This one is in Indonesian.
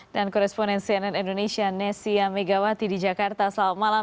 dan koresponen cnn indonesia nessia megawati di jakarta selama malam